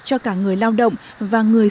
cho cả người lao động và người